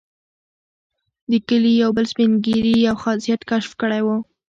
د کلي یو بل سپین ږیري یو خاصیت کشف کړی وو.